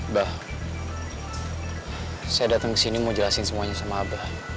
bah saya datang kesini mau jelasin semuanya sama abah